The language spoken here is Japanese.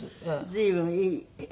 随分いい。